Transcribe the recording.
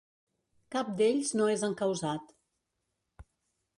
Cap d’ells no és encausat.